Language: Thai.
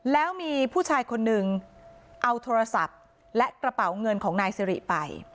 แล้วมีผู้ชายคนนึงเอาโทรศัพท์และกระเป๋าเงินของนายสิริไป